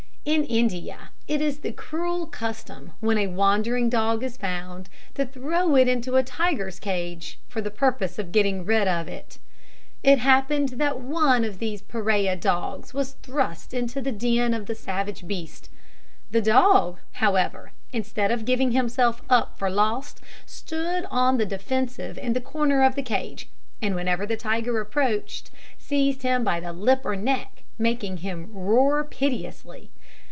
In India it is the cruel custom, when a wandering dog is found, to throw it into a tiger's cage for the purpose of getting rid of it. It happened that one of these pariah dogs was thrust into the den of the savage beast. The dog, however, instead of giving himself up for lost, stood on the defensive in the corner of the cage, and whenever the tiger approached, seized him by the lip or neck, making him roar piteously.